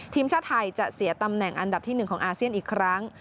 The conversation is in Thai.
ทีมชาติไทยจะเสียตำแหน่งอันดับที่๑ของอาเซียนอีกครั้ง